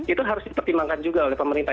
itu harus dipertimbangkan juga oleh pemerintah